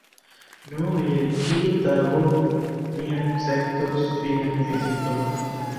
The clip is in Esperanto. Nu, je kiu tago ni akceptos vian viziton?